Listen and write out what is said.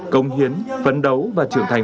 công hiến phấn đấu và trưởng thành